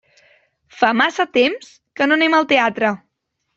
Fa massa temps que no anem al teatre.